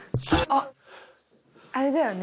あれだよね。